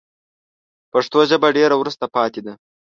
پښتو ژبه ډېره وروسته پاته ده